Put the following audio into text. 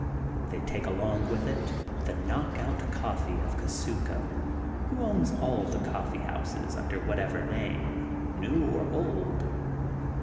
They take along with it the knockout coffee of Kusuko, who owns all the coffee houses under whatever name, new or old.